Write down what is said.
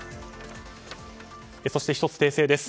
そして、１つ訂正です。